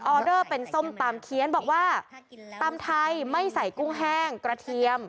อเดอร์เป็นส้มตำเคี้ยนบอกว่าตำไทยไม่ใส่กุ้งแห้งกระเทียม